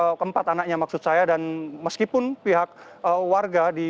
dan keempat anaknya maksud saya dan meskipun pihak warga diwisata